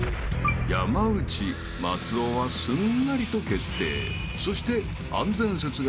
［山内松尾はすんなりと決定］